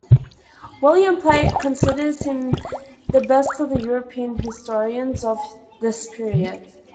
William Plate considers him the best of the European historians of this period.